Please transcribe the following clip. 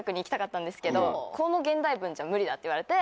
この現代文じゃ無理だって言われて。